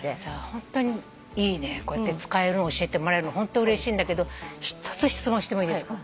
ホントにいいねこうやって使えるの教えてもらえるのホントうれしいんだけど１つ質問してもいいですか？